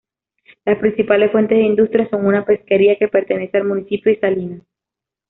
Las principales fuentes de industria son una pesquería, que pertenece al municipio, y salinas.